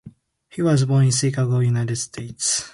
He was born in Chicago, United States.